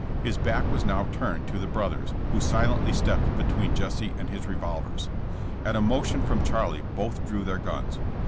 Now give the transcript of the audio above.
His back was now turned to the brothers, who silently stepped between Jesse and his revolvers. At a motion from Charlie both drew their guns.